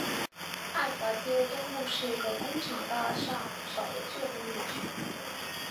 埃华街的东部是一个工厂大厦不少的旧工业区。